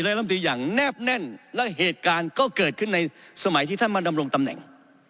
และลำตีอย่างแนบแน่นและเหตุการณ์ก็เกิดขึ้นในสมัยที่ท่านมาดำรงตำแหน่ง